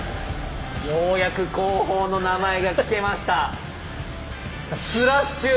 ようやく工法の名前が聞けました。